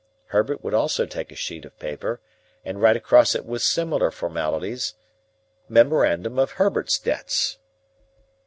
Herbert would also take a sheet of paper, and write across it with similar formalities, "Memorandum of Herbert's debts."